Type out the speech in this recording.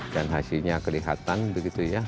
dan hasilnya kelihatan begitu ya